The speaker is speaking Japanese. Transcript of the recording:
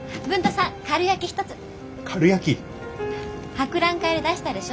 博覧会で出したでしょ？